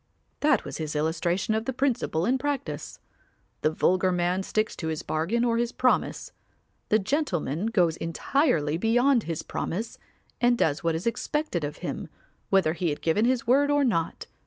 That was his illustration of the principle in practice; the vulgar man sticks to his bargain or his promise; the gentleman goes entirely beyond his promise and does what is expected of him, whether he had given his word or not.